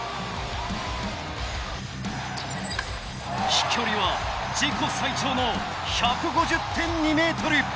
飛距離は自己最長の１５０．２ｍ。